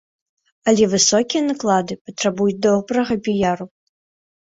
Але высокія наклады патрабуюць добрага піяру.